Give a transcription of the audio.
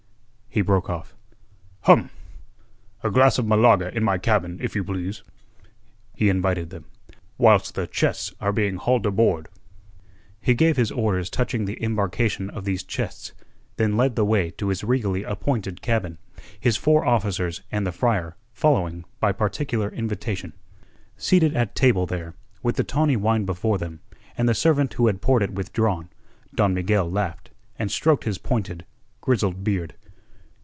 He broke off. "Hum! A glass of Malaga in my cabin, if you please," he invited them, "whilst the chests are being hauled aboard." He gave his orders touching the embarkation of these chests, then led the way to his regally appointed cabin, his four officers and the friar following by particular invitation. Seated at table there, with the tawny wine before them, and the servant who had poured it withdrawn, Don Miguel laughed and stroked his pointed, grizzled beard.